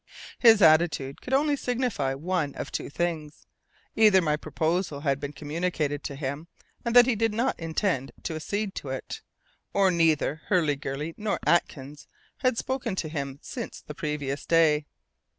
His attitude could only signify one of two things either my proposal had been communicated to him, and he did not intend to accede to it; or neither Hurliguerly nor Atkins had spoken to him since the previous day.